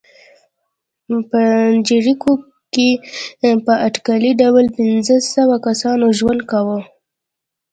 په جریکو کې په اټکلي ډول پنځه سوه کسانو ژوند کاوه.